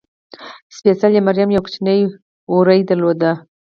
سپېڅلې مریم یو کوچنی وری درلود.